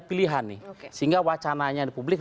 pilihan nih sehingga wacananya di publik